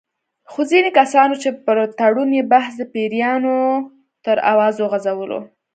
خو ځینې کسان وو چې پر تړون یې بحث د پیریانو تر اوازو غـځولو.